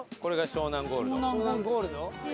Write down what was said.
湘南ゴールド？